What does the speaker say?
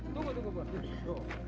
tunggu tunggu bos